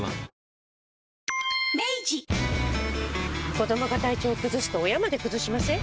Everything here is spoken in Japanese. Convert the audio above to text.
子どもが体調崩すと親まで崩しません？